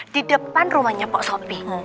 di depan rumahnya pak sopi